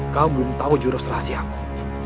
kau belum tahu jurus rahasiaku